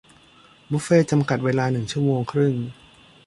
บุฟเฟ่ต์จำกัดเวลาหนึ่งชั่วโมงครึ่ง